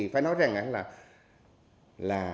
phải nói rằng là